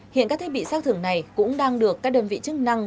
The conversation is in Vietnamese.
hiện các thiết bị xác thưởng này cũng đang được các đơn vị chức năng